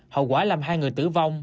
hậu quả làm hai người tử vong